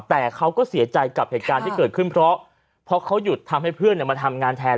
แต่เขาก็เสียใจกับเหตุการณ์ที่เกิดขึ้นเพราะเขาหยุดทำให้เพื่อนมาทำงานแทน